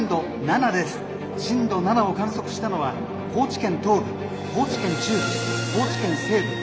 震度７を観測したのは高知県東部高知県中部高知県西部」。